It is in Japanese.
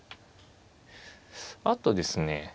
あとですね